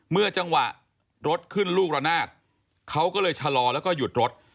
เมื่อจังหวะรถขึ้นลูกระนาดเขาก็เลยชะลอแล้วก็หยุดรถ